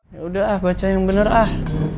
yaudah ah baca yang bener ah